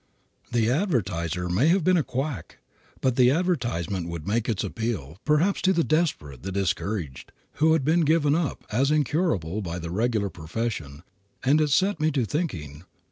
The advertiser may have been a quack, but the advertisement would make its appeal, perhaps, to the desperate, the discouraged, who had been given up as incurable by the regular profession, and it set me to thinking.